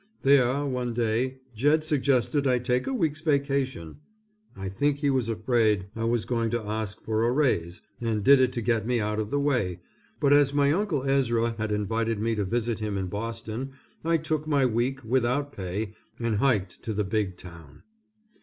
There, one day, Jed suggested I take a week's vacation. I think he was afraid I was going to ask for a raise, and did it to get me out of the way, but as my Uncle Ezra had invited me to visit him in Boston I took my week, without pay, and hiked to the big town.